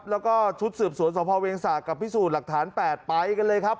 แล้วก็ชุดสืบสวนสภเวงศาสกับพิสูจน์หลักฐาน๘ไปกันเลยครับ